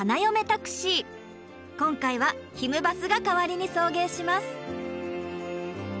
今回はひむバスが代わりに送迎します。